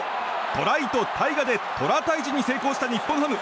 トライとタイガでトラ退治に成功した日本ハム。